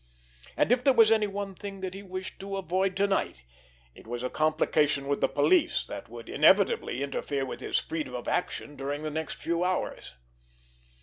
And if there was any one thing that he wished to avoid to night, it was a complication with the police that would inevitably interfere with his freedom of action during the next few hours.